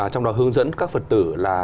trong đó hướng dẫn các phật tử